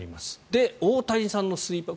で、大谷さんのスイーパー。